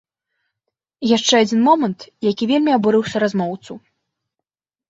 Яшчэ адзін момант, які вельмі абурыў суразмоўцу.